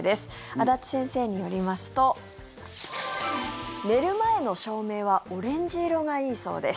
安達先生によりますと寝る前の照明はオレンジ色がいいそうです。